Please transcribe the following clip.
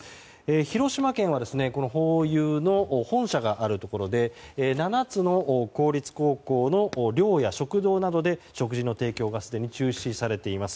広島県はホーユーの本社があるところで７つの公立高校の寮や食堂などで食事の提供がすでに中止されています。